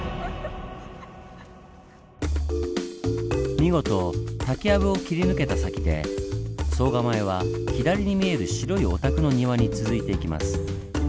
見事竹やぶを切り抜けた先で総構は左に見える白いお宅の庭に続いていきます。